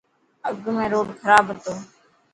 اڳ ۾ روڊ کراب هتو.